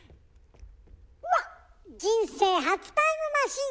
うわっ人生初タイムマシン！